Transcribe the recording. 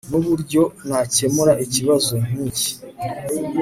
Nuburyo nakemura ikibazo nkiki